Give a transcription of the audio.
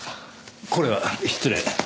これは失礼。